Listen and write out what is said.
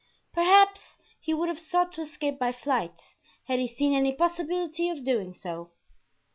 Perhaps he would have sought to escape by flight had he seen any possibility of doing so.